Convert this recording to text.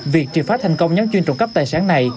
việc trị phát thành công nhóm chuyên trộm cắp tài sản này